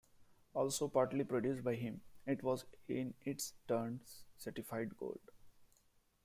Also partly produced by him, it was in its turned certified gold.